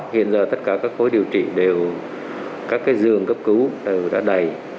hiện giờ tất cả các khối điều trị đều các giường cấp cứu đều đã đầy